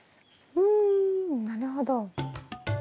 ふんなるほど。